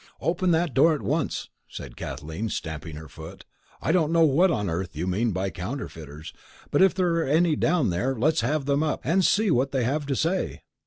"Open that door at once!" said Kathleen, stamping her foot. "I don't know what on earth you mean by counterfeiters, but if there are any down there, let's have them up, and see what they have to say."